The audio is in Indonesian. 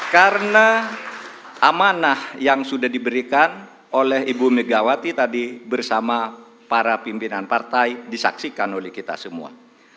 karena amanah yang sudah diberikan oleh ibu megawati tadi bersama para pimpinan partai disaksikan oleh kita semua